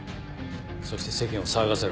そして世間を騒がせろ。